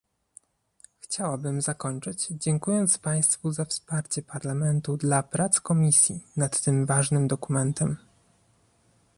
Chciałabym zakończyć, dziękując państwu za wsparcie Parlamentu dla prac Komisji nad tym ważnym dokumentem